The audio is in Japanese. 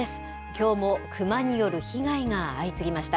きょうもクマによる被害が相次ぎました。